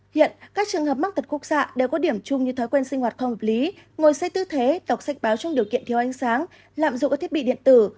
hiện các trường hợp mắc tật khúc xạ đều có điểm chung như thói quen sinh hoạt không hợp lý ngồi xây tư thế đọc sách báo trong điều kiện thiếu ánh sáng lạm dụng các thiết bị điện tử